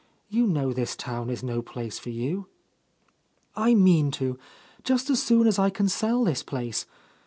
You know this town is no place for you." "I mean to, just as soon as I can sell this place.